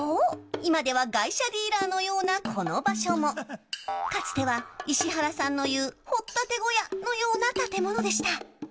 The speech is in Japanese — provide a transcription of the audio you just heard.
今では外車ディーラーのようなこの場所もかつては石原さんの言う掘っ立て小屋のような建物でした。